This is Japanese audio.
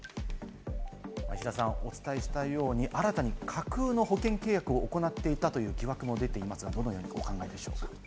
石田さん、お伝えしたように、新たに架空の保険契約を行っていたという疑惑も出ていますが、どのようにお考えでしょうか？